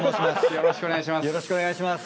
よろしくお願いします。